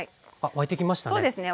沸いてきました。